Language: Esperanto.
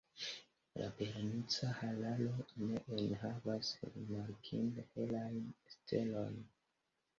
La Berenica Hararo ne enhavas rimarkinde helajn stelojn.